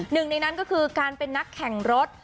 หนึ่งในนั้นก็คือการเป็นนักแข่งรถ